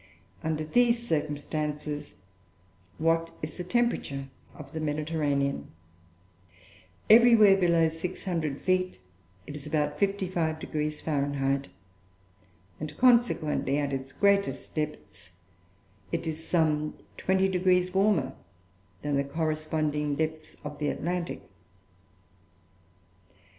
Under these circumstances, what is the temperature of the Mediterranean? Everywhere below 600 feet it is about 55° Fahr.; and consequently, at its greatest depths, it is some 20° warmer than the corresponding depths of the Atlantic.